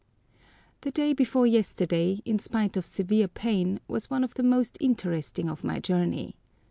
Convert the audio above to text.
The day before yesterday, in spite of severe pain, was one of the most interesting of my journey.